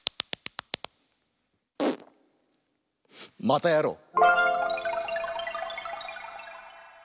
またやろう！